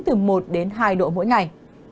từ một đến hai độ mỗi ngày